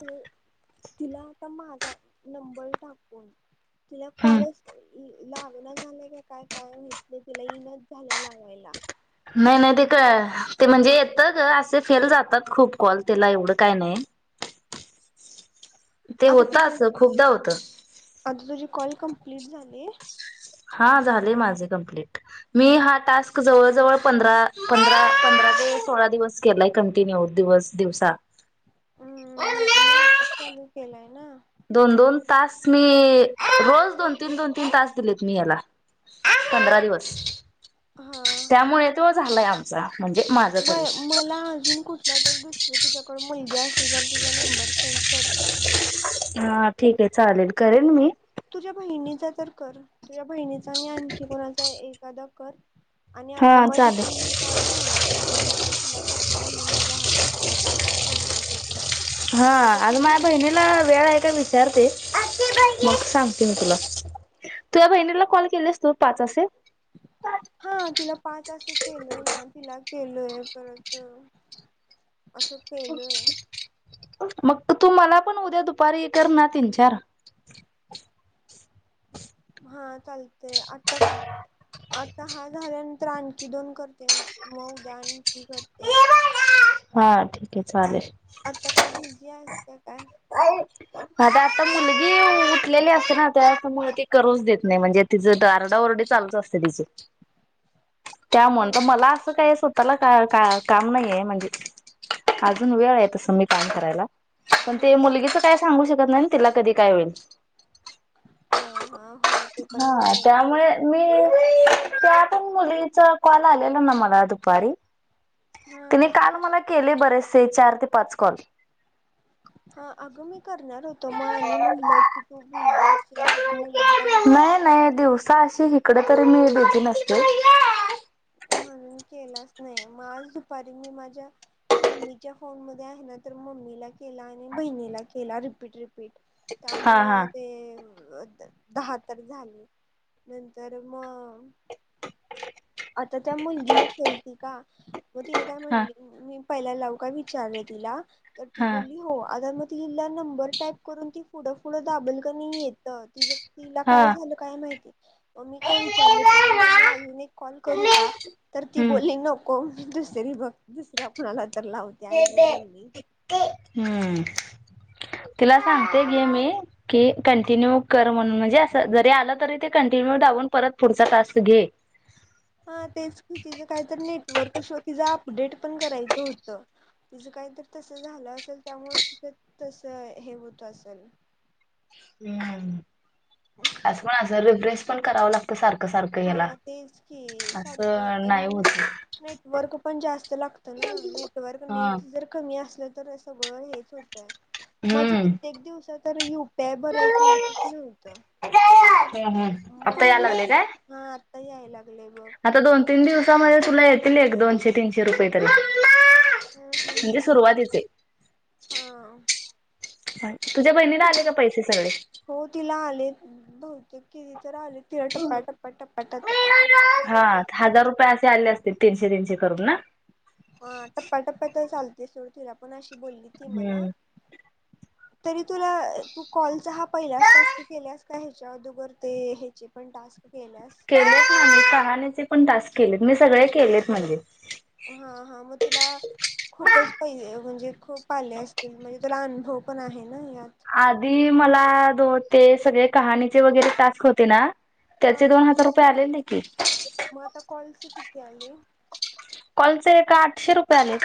ते. तिला आता माझा नंबर टाकून तिला हम्. कॉलेज ल लागण झालंय की काय काय म्हाईत ते तिला इनच झालंय लावायला. नाही, नाही ते काय ते म्हणजे येत गं आसं. ते फेल जातात खूप कॉल त्याला एवढं काय नाही. ते आता होत तुझे असं खूपदा होतं आता तुझे कॉल कम क्लीट झाली. हा झाले माझे कंप्लीट मी हा टास्क जवळ-जवळ पंधरा पंधरा पंधरा ते सोळा दिवस केलाय कंटिन्यू दिवस दिवसा. अम्म नाय नाय कशाले. केलाय ना? दोन-दोन तास मी रोज दोन-तीन, दोन- तीन तास दिलेत मी याला, पंधरा दिवस. त्यामुळे येतो झालय आम.. जा. बरं, मला अजून कुठल्या [unintelligible] दड जे तुझ्याकडं मुलगी असली तर तुझा नंबर सेंड करते. हा ठीक आहे चालेल करेन मी. तुझ्या बहिणीचा तर कर तुझ्या बहिणी तानी आंचि कुणाचा एक कदा कर आणि आता हा माझे चालेल. तीन कॉल राहिलात मग तीन कॉल तुला करते म्हणजे माझा हा तिसरा टास्क कम्प्लीट होत हा आज माझ्या बहिणीला वेळ आहे का विचारते? मग सांगते. मी तुला तूझ्या बहिणीला कॉल केलेस तू पाच असे. हा तिला पाच असे केलय. ना तिला केलय परत असं केलय, मग तू मला पण उद्या दुपारी कर ना तीन, चार हा चालतय. आता का आता हा झाल्यानंतर आणखी दोन करते. मग उद्या आणखी करते. हा ठीक आहे चालेल. आता काही बिझी आहे का काय, आता आता मुलगी उठलेली असते ना त्या मूळ ती करूच देत नाही म्हणजे तिचं आरडाओरडी चालूच असते तिच. त्या मूळ तर हो मला असं काय, आता ना काय काम नाहीये म्हणजे, अजून वेळ आहे तसं मी काम करायला. पण हा ते तर मुलगीच काय सांगू शकत. तिला कधी काय होईल. हा हा हो ते पण बरोबर आहे. त्यातुन मुलीचा कॉल आलेला मला दुपारी, हा तिने हा काल ठीक आहे. मला केले बरेचसे चार ते पाच कॉल हा अगं मी करणार होतो मग आणि म्हणलं की तू बिझी असेल तुझी मुलगी आहे. नाही नाही दिवसा अशी इकडे [unintelligible] म्हणून केलाच नाही. मग आज दुपारी मी माझ्या मम्मीच्या फोन मध्ये आहे ना तर मम्मीला केला आणि बहिणीला केला. रिपीट रिपीट हा हा त्यामुळं ते दहा तर झाले नंतर मग आता त्या मुलगीने केलती का? मग तिने काय हा म्हणली मी, पहिला लावू काय विचारलं तिला, तर ती हा बोलली हो आता मग तिला नंबर टाईप करून ती पुढं पुढं दाबल कनी येत तिच तिला हा काय झालं काय माहिती मग मी काय विचारलं तिला मग मी अजून एक, कॉल करू का तर ती हम्म बोली नको हो दुसरी बघ दुसरी आपणाला तर लावते आईशी बोलली हम् तिला सांगते घे मी की कंटिन्यू कर म्हणून म्हणजे अस जरी आलं तरी ते कंटिन्यू दाबून परत पुढचा टास्क घे हा तेच कि तिचं काहीतर नेटवर्क ईशू तिच अपडेट पण करायचं होतं. तिचं काहीतर तस झालं असेल त्यामुळे तिच तस हे होत असेल. हम्म असं पण असलं रिफ्रेश पण करांव लागतं सारं हा तेच की सारखं असं नाही आणि होत नेटवर्क पण जास्त लागत ना नेटवर्क हा नेट जर कमी असलं तर सगळं हेच हो माझ हम्म कित्येक दिवस तर युपीआय भरायचं येतच नव्हतं. हम् हम आता यायला लागलय काय? यायला आता दोन तीन दिवसामध्ये तुला येतील एक दोनशे तीनशे रुपये तरी. हम्म हम्म म्हणजे हम् सुरुवातीचे हा. ह तुझ्या बहिणीला आले तुला का पैसे सगळे? [unintelligible] चुकी त तररा रती रट पट पट पटाट हा आली करू ना? हा टप्या टप्प्या तर चालते सोड तिला पण अशी बोलली ती मला. हम्म तरी तुला तू कॉलचा हा पहिलाच टास्क केल्यास का ह्याच्या अदोर ते ह्याचे पण टास्क केल्यास केलेच नाही म चहाण्याचे पण टास्क केलेत मी सगळे केलेत म्हणजे. हा हा मग तुला खूपच पाहिजे म्हणजे. खूप आले असतील म्हणजे तुला अनुभव पण आहे ना या आदी मला द ते सगळे कहाणीचे वगैरे टास्क होते ना. हा त्याचे दोन हजार रुपये आलेले. के त्याले. कॉलच एक आठशे रुपये आले.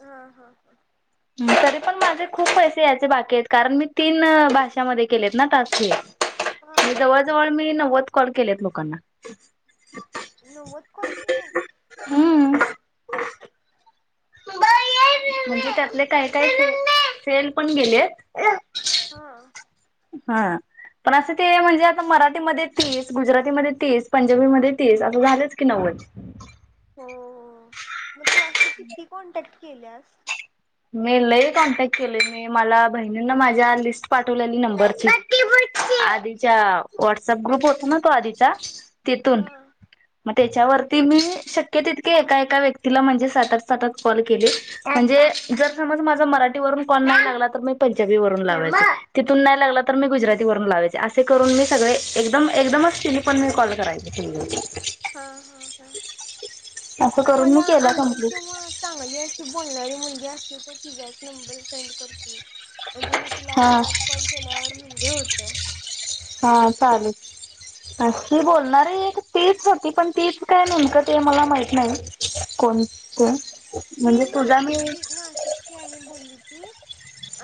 हा हा तरी पण माझे खूप पैसे यायचे बाकी आहेत कारण मी तीन भाषामध्ये केलेत ना टास्क हे. हा मी हा जवळ जवळ मी नव्वद कॉल केल्यात लोकांना. नव्वद कॉल केल्यात? हम्म म्हणजे त्यातले काय काय फेल पण गेलेत. हा हा पण असं ते म्हणजे आता मराठीमध्ये तीस गुजरातीमध्ये तीस पंजाबीमध्ये तीस असं झालंच की नव्वद. हो हो मग तू आस किती कॉन्टॅक्ट केल्यास. मी लई कॉन्टॅक्ट केलोय मी मला बहिणींना माझ्या लिस्ट पाठवलेली नंबरची आधीच्या व्हॉट्सअप ग्रुप होता ना तो आधीचा? तिथून हा त्याच्यावरती मी शक्य तितके एका एका व्यक्तीला म्हणजे सातआठ सातआठ कॉल केले म्हणजे.... जर समज माझा मराठीवरून कॉल नाही लागला तर मी पंजाबी वरून लावायचे तिथून नाही लागला तर मी गुजराती वरून हा हा असं करून मी केला कम्प्लीट तिचा एक नंबर सेंड कर. म्हणजे मी तिला एक हा पाच कॉल केल्यावर म्हणजे होत्यात. अशी बोलणारी एक तीच होती पण तीच काय नेमकं ते मला माहित नाही कोण कोण. ही नाशिकची नाशिकची आहे बोलली ती.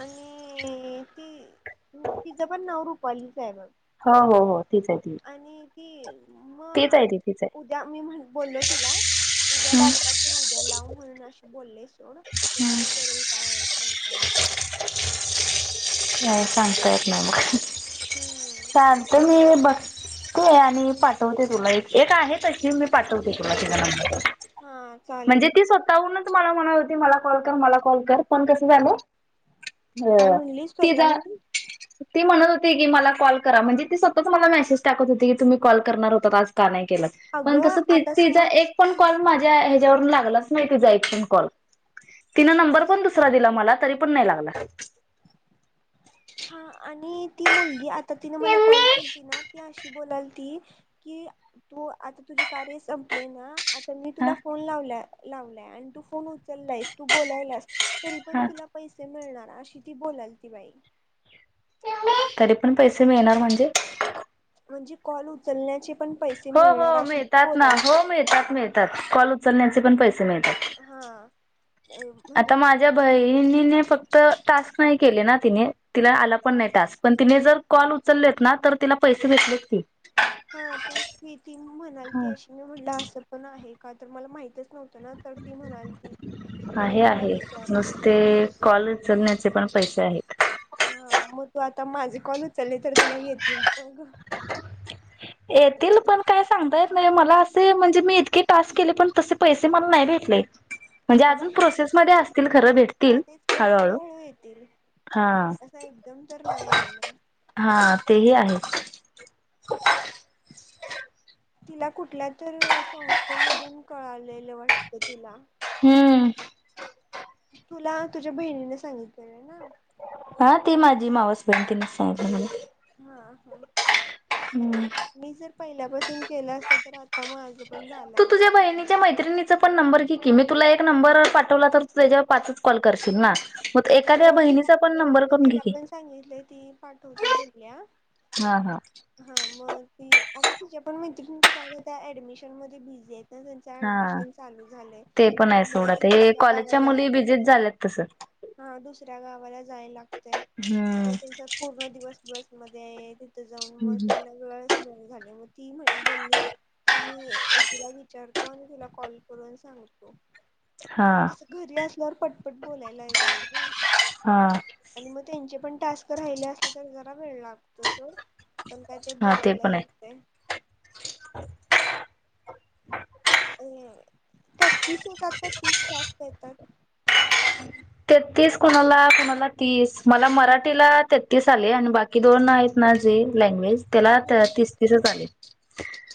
आणि ती तिचं पण नाव रुपालीच आहे. हो हो तीच आहे ती तीच आहे ती तीच आणि आहे [unintelligible] हो काय सांगता येत नाही मग हम्म चालतंय मी बघ.. ते आहे आणि पाठवते तुला एक एक आहे तशी. पाठवते तिला तिचा नंबर हा म्हणजे चालेल ती स्वतःहून.. मला म्हणालती मला कॉल कर मला कॉल कर पण कसं झालं. काय अ म्हणलीस. तिचा स्तःहून ती म्हणत होती की मला कॉल करा म्हणजे ती स्वतःच मला मेसेज टाकत होती की तुम्ही कॉल करणार होता आज का नाही केला. पण अगं कसं आता तिचा समज एक पण ती कॉल माझ्या ह्याच्यावरती... आलाच नाही तिचा एक पण कॉल तिन नंबर पण दुसरा दिला मला तरी पण नाही लागला. हा. कार्य संपले ना आता मी हा तुला फोन लावलाय.. लावलाय आणि तू फोनच उचललास तू बोलायलास तरी पण हा तुला पैसे मिळणार. अशी ती बोलाल ती बाई तरी पण पैसे मिळणार म्हणजे म्हणजे कॉल उचलण्याचे पण पैसे हो मिळणार हो अशी मिळतात ना बोलाल हो मिळतात मिळतात कॉल पण पैसे मिळते हा अ, म्हणजे आता माझ्या बई णीने फक्त टास्क नाही केले ना तिने तिला आला पण हा नाही टास्क पण तिने जर, कॉल उचललेत ना तर, तिला पैसे भटलेत की. हा तेच मी ती म्हणाल हा ती अशी मी म्हटलं असं पण आहे. का तर मला माहितंच आहे म्हणून तुला आहे विचारले नुसते कॉल उचलण्याचे पण पैसे आहेत. हा मग तू आता माझे कॉल उचलेले तर तुला येतील बघ. येतील पण काय सांगता येत नाही मला असे म्हणजे मी इतके टास्क केले पण तसे पैसे मला नाही भेटले. म्हणजे अजून अगं प्रोसेस मध्ये असतील खरं हा भेटतील, तेच की हळूळू हळूहळू येतील हा असा एकदम तर नाही येणार ह तेही आहे. [inaudible] [inaudible] तिला कुठल्या तर संस्थेमधून कळालेलं वाटतं तिला. हम्म तुला तुझ्या बहिणीने सांगितलेलं ना? हा ती माझी मावस बहीण तिनंच सांगितलेलं. हा हा हम्म मी जर पहिल्यापासून केलं असतं तर आता माझं पण झालं तू असतं. तुझ्या बहिणीच्या मैत्रिणीचा पण नंबर घे ती मी तुला एक नंबर पाठवला तर त त्याच्या पाचंच कॉल करशील ना? मग एखाद्या हो तिला बहिणीचा प पण नंबर अगं करून घे तिला की पण सांगितलं ती पाठवतो बोलल्या हा हा हा मग ती अगं तिच्या पण मैत्री कसं आता त्या ऍडमिशन मध्ये बीझी आहेत. ना त्यांच हा ऍडमिशन चालू झालंय ते पण आहे त्यामुळे सोड ते दुसऱ्या कॉलेजच्या गावाला मुली बिजिच झाल्यात तसं. हा दुसऱ्या गावाला जाया लागतंय म हम्म. त्यांचा पूर्ण दिवस बस मध्ये ये जाऊन मग त्यांना वेळच झाले मग ती बोलली की मी एकीला विचारतो आणि तुला कॉल करून सांगतो. हा घरी अस जर पटपट बोलायला हा आणि मग त्यांचे पण टास्क राहिले असले तर ग? थोडा वेळ लागतो सोड. पण काय ते हा बोलायला पण आहे. येत नाही. [inaudible] अ त्यात तीस होतात का, तीस टास्क येतात? तेहत्तिस कुणाला कुणाला तीस मला मराठीला तेहत्तिस आले आणि बाकी दोन आहेत ना जे लँग्वेज त्याला त्या हा तीस तीसच आलेत.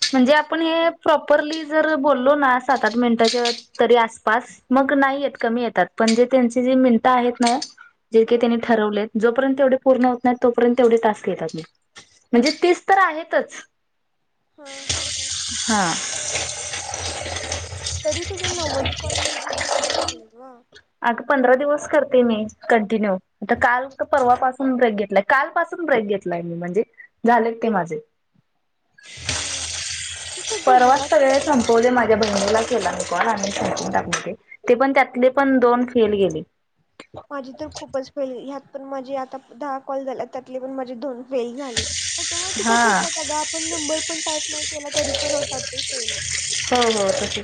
[inaudible] म्हणजे आपण हे प्रॉपली जर बोल लो ना, सात आठ मिंट किंवा तरी आसपास मग नाही येत कमी येतात. पण जे त्यांचे जे मिंट आहेत नाइ हा जेके त्यांनी ठरवलेत. जोपर्यंत तेवढे पूर्ण होत नाहीत, तोपर्यंत तेवढे टास्क येतात हे म्हणजे तीस तर आहेतच. हा हा हा. हा. तरी तुझे नव्वद कॉल म्हणजे खूपच झाले गं अग पंधरा दिवस करते मी कंटिन्यू, आता काल का परवापासून ब्रेक घेतलाय, काल पासून ब्रेक घेतलाय मी म्हणजे झालेत ते माझे हा ते परवाच गुजराती सगळ मध्ये संपवले माझ्या आणि बहिणीला केला मी कॉल आणि संपवून टाकल ते, ते पण त्यातले पण दोन फेल गेले. माझी तर खूपच फेल ह्यात पण माझे आता दहा कॉल झाल्यात, त्यातले पण माझे दोन फेल झाले, ऑटोमॅटिकच हा होतात अगं आपण नंबर पण टाईप नाही केला, तरी पण होतात ते फेल हो हो तशी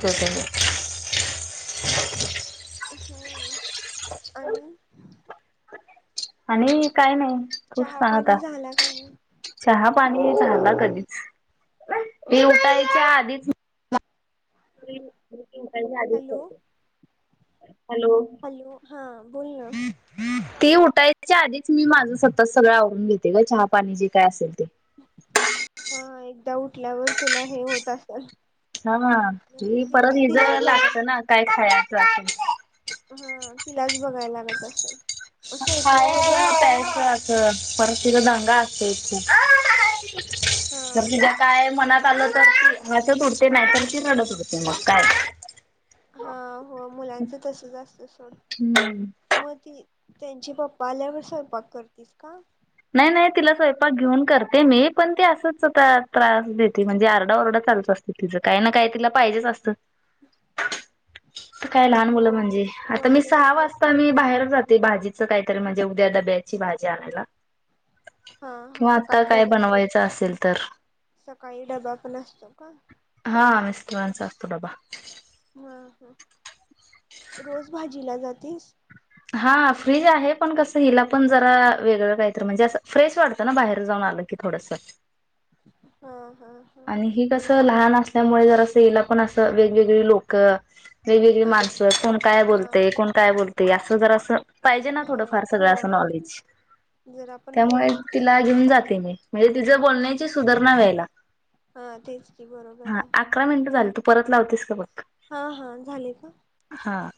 [inaudible] हा आणि आणि काय नाई खूप चहा साहता पाणी झाला का नाही चहा पाणी झाला कधीच, ही उठायच्या आधीच म [unintelligible] ही उठायच्या आधीच हॅलो करते. [inaudible] हॅलो, हा बोल ना ती उठायच्या आधीच मी माझं स्वतः सगळं आवरून घेते ग, चहा पाणी जे काय असेल ते हा एकदा उठल्यावर तुला हे होत असल हा ना, ही परत हिज तिलाच बघाय लागत ना, काय खाया चा तेन हा तिलाच बघाय लागत असेल. स्वयंपाक कधी खायच, प्यायचं अस परत तिजा दंगा असतयची की हा जर हा तिज्या काय मनात चालं तर ती हसत उठते, नाहीतर ती रडत उठते मग काय हा. हो मुलांचं तसंच असतयं सोडं हम्म म ती त्यांचे पप्पा आल्यावर स्वयंपाक करतीस का? नाही नाही तिला स्वयंपाक घेऊन करते मी पण ती असंच आता त्रास देती म्हणजे आरडा ओरडा चालुच असतयं तिज काय ना काय तिला पाहिजेच असतं. [inaudible] काय लहान मुलं हो म्हणजे आता होय मी सहा तसच असत वाजता मी बाहेर जाते भाजी असं काहीतरी म्हणजे उद्या डब्याची भाजी आणायला. हा हा किंवा आता सकाळी काय डबा बनवायच असेल तर सकाळी डबा पण असतो का हा मिस्टरांचं. तो डबा हा ह रोज भाजीला जातीस? हा फ्रीज आहे पण कसं हिला पण जरा वेगळं काहीतर म्हणजे अस फ्रेश वाटतं ना बाहेर जाऊन आलं की थोडस. हा. हा हा आणि हे कसं ल लहान असल्यामुळे जरास अस पण अस वेगवेगळी लोक वेगवेगळी माण कोण काय हा बोलतय कोण काय बोलत ते असं जरासं पाहिजे ना हा थोडं फार सगळं असं होय नॉलेज जर आपण त्यामुळे बोल तिला घेऊन जाते मी. म्हणजे तिज बोलण्याची सुधारणा व्हायला. हा तेच की बरोबर हा आहे. अकरा मिनिटं झाली तू परत लावतेस का बघ. हा हा झाले का? हां.